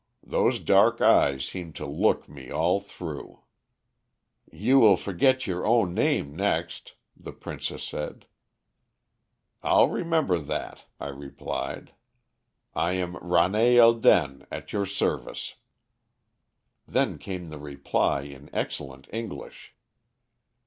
"Those dark eyes seemed to look me all through. "'You will forget your own name next,' the princess said. "'I'll remember that,' I replied. 'I am Rane el Den, at your service.' "Then came the reply in excellent English.